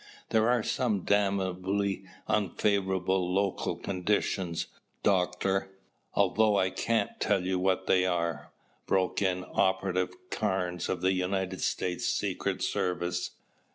"There are some damnably unfavorable local conditions, Doctor, although I can't tell you what they are," broke in Operative Carnes of the United States Secret Service.